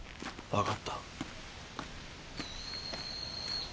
分かった。